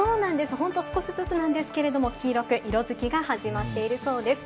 本当に少しずつなんですけれども黄色く色づきが始まっているそうです。